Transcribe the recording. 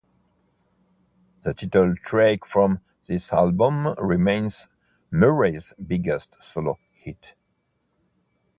The title track from this album remains Murray's biggest solo hit.